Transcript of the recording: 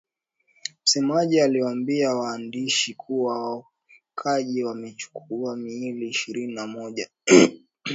Msemaji aliwaambia waandishi kuwa waokoaji wamechukua miili ishirini na moja